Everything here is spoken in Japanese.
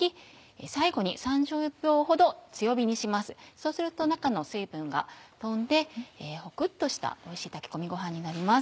そうすると中の水分が飛んでホクっとしたおいしい炊き込みごはんになります。